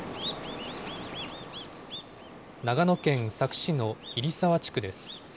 長野県佐久市の入澤地区です。